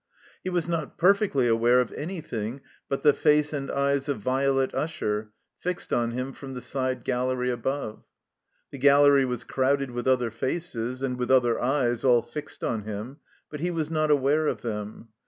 He was not perfectly aware of anything but the face and eyes of Violet Usher fixed on him from the side gallery above. The gallery was crowded with other faces and with other eyes, all fixed on him; but he was not aware of them.